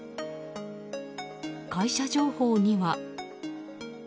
会社情報には。